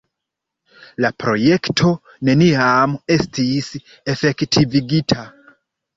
La projekto neniam estis efektivigita.